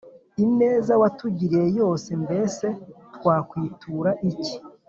ineza watugiriye yose mbese twakwitura iki